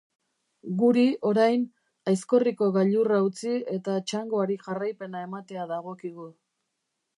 Guri, orain, Aizkorriko gailurra utzi eta txangoari jarraipena ematea dagokigu.